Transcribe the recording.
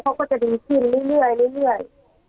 เขาก็จะดีขึ้นเรื่อย